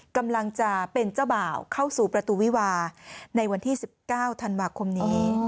กำลังจะเป็นเจ้าบ่าวเข้าสู่ประตูวิวาในวันที่๑๙ธันวาคมนี้